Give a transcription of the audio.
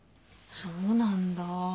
そうなんだ。